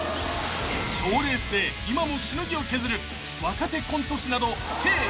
［賞レースで今もしのぎを削る若手コント師など計２０人］